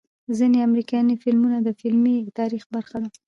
ځنې امريکني فلمونه د فلمي تاريخ برخه ده